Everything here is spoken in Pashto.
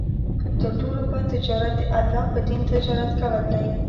تر ټولو بَد تجارت د الله تعالی په دين تجارت کول دی